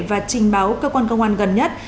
và trình báo cơ quan công an gần nhất